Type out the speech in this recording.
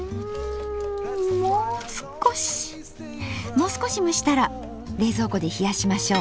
もう少し蒸したら冷蔵庫で冷やしましょう。